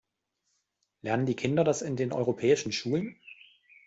Lernen die Kinder das in den europäischen Schulen?